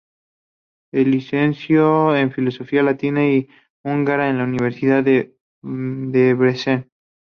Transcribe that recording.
Se licenció en Filología latina y húngara en la Universidad de Debrecen.